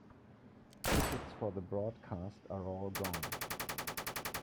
Tickets for the broadcast are all gone.